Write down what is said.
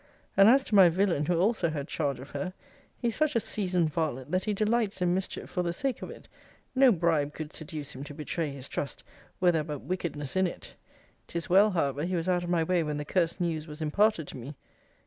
And as to my villain, who also had charge of her, he is such a seasoned varlet, that he delights in mischief for the sake of it: no bribe could seduce him to betray his trust, were there but wickedness in it! 'Tis well, however, he was out of my way when the cursed news was imparted to me!